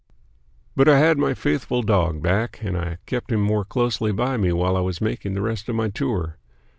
But I had my faithful dog back, and I kept him more closely by me while I was making the rest of my tour.